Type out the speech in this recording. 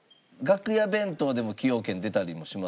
楽屋弁当でも崎陽軒出たりもしますが。